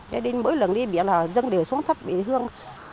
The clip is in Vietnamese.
cho nên mỗi lần đi biển dân đều xuống thắp hương